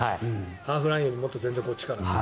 ハーフラインよりももっと全然こっちから。